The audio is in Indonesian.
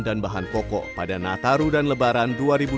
bahan pokok pada nataru dan lebaran dua ribu dua puluh